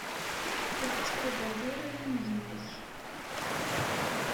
Ur tettqadareḍ ara yanegma-k.